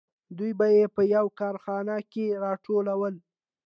دوی به یې په یوه کارخانه کې راټولول